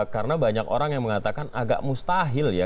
karena banyak orang yang mengatakan agak mustahil ya